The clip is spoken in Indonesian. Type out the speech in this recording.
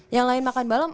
yang lain makan malem